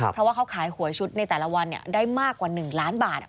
เพราะว่าเขาขายหวยชุดในแต่ละวันได้มากกว่า๑ล้านบาท